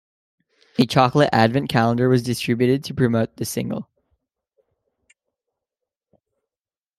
A chocolate advent calendar was distributed to promote the single.